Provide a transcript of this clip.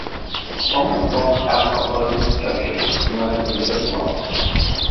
A prominent rock outcrop close to this junction is known as the Nevis Bluff.